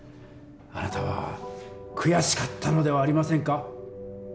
あなたは悔しかったのではありませんか？